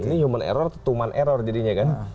ini human error to man error jadinya kan